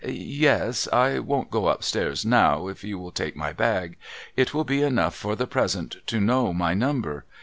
Yes. I won't go up stairs now, if you will take my bag. It will be enough for the present to know my number.